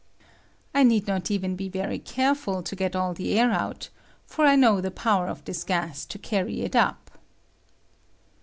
I need not even be very careful to get all the air Lout, for I know the power of this gas to carry tit Tip.